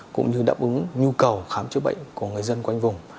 cũng như đáp ứng nhu cầu khám chữa bệnh của người dân quanh vùng